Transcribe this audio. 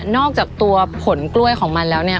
อกจากตัวผลกล้วยของมันแล้วเนี่ย